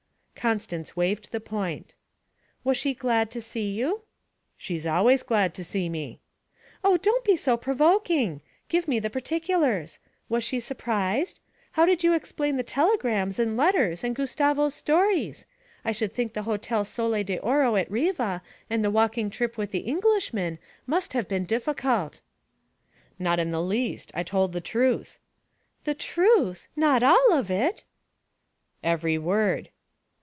Constance waived the point. 'Was she glad to see you?' 'She's always glad to see me.' 'Oh, don't be so provoking! Give me the particulars. Was she surprised? How did you explain the telegrams and letters and Gustavo's stories? I should think the Hotel Sole d'Oro at Riva and the walking trip with the Englishman must have been difficult.' 'Not in the least; I told the truth.' 'The truth! Not all of it?' 'Every word.'